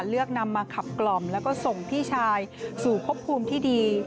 เลือกนำมาขับกล่อมแล้วก็ส่งพี่ชายสู่พบภูมิที่ดี